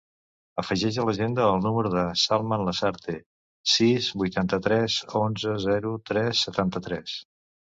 Afegeix a l'agenda el número del Salman Lasarte: sis, vuitanta-tres, onze, zero, tres, setanta-tres.